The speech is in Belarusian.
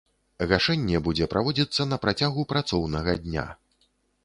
Гашэнне будзе праводзіцца на працягу працоўнага дня.